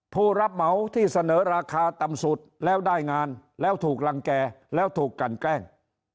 ผู้รับเหมาที่เสนอราคาต่ำสุดแล้วได้งานแล้วถูกรังแก่แล้วถูกกันแกล้ง